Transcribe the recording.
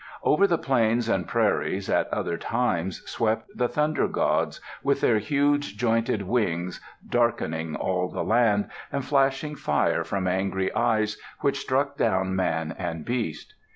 Over the plains and prairies, at other times, swept the Thunder Gods, with their huge jointed wings, darkening all the land, and flashing fire from angry eyes which struck down man and beast.